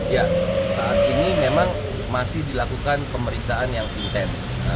ya saat ini memang masih dilakukan pemeriksaan yang intens